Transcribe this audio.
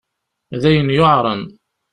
D ayen yuɛṛen.